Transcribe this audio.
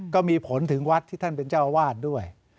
ก็มีผลถึงวัดที่ท่านเป็นเจ้าอาวาสด้วย